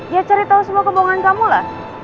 ya cari tahu semua kebohongan kamu lah